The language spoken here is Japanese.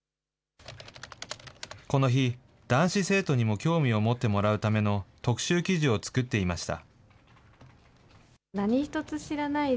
この日、男子生徒にも興味を持ってもらうための特集記事を作っていました。